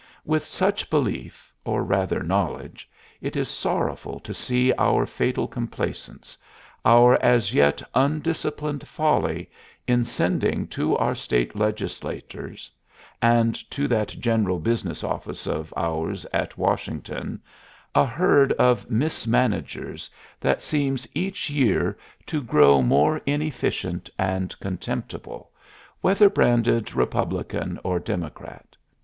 With such belief, or, rather, knowledge, it is sorrowful to see our fatal complacence, our as yet undisciplined folly, in sending to our State Legislatures and to that general business office of ours at Washington a herd of mismanagers that seems each year to grow more inefficient and contemptible, whether branded Republican or Democrat.